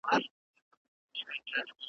یو څه وخت مي راسره ښکلي بچیان وي .